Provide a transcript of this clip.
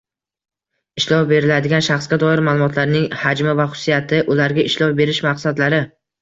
Ishlov beriladigan shaxsga doir ma’lumotlarning hajmi va xususiyati ularga ishlov berish maqsadlari